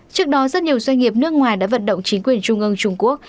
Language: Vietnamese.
trước đó rất nhiều doanh nghiệp nước ngoài đã vận động chính quyền trung ương trung quốc